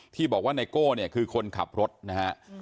ที่บอกว่านายโก้คือคนขับรถนะฮะ